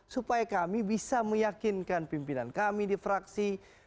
supaya kami bisa meyakinkan pimpinan kami di fraksi